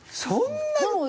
そんな。